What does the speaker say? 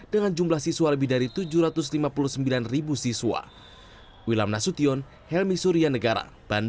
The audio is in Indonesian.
dengan jumlah siswa lebih dari tujuh ratus lima puluh sembilan siswa